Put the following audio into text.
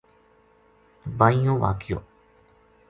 بائیوں واقعو